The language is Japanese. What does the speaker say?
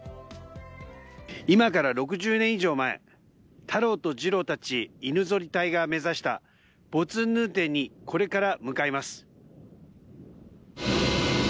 今から６０年以上前タロとジロたち犬ぞり隊が目指したボツンヌーテンにこれから向かいます。